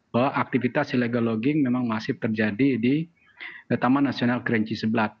bahwa aktivitas silagologi memang masih terjadi di taman nasional kerinci sebelat